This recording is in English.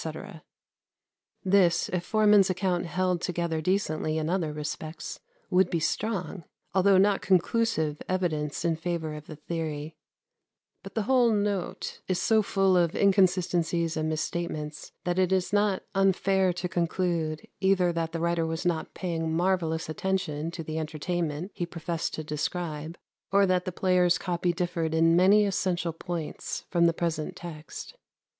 This, if Forman's account held together decently in other respects, would be strong, although not conclusive, evidence in favour of the theory; but the whole note is so full of inconsistencies and misstatements, that it is not unfair to conclude, either that the writer was not paying marvellous attention to the entertainment he professed to describe, or that the player's copy differed in many essential points from the present text.